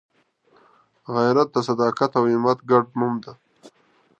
غیرت د صداقت او همت ګډ نوم دی